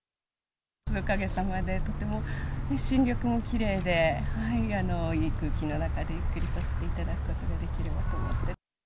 おかげさまで、とてもね、新緑もきれいで、いい空気の中でゆっくりさせていただくことができるなと思って。